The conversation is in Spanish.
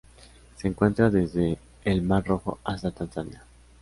Se encuentra desde el Mar Rojo hasta Tanzania.